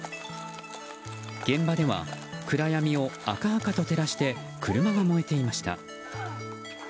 現場では、暗闇を赤々と照らして車が燃えていました。